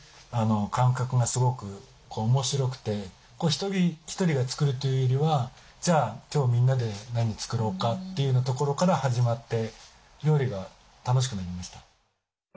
一人一人が作るというよりはじゃあ今日みんなで何作ろうかというなところから始まって料理が楽しくなりました。